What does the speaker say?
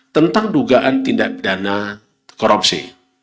tentang dugaan tindak pidana korupsi